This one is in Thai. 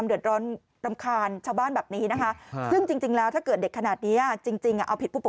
ก็อยากให้ดูแลลูกหลานของตัวเองด้วยอะค่ะ